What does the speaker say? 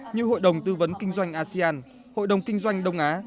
như hội đồng tư vấn kinh doanh asean hội đồng kinh doanh đông á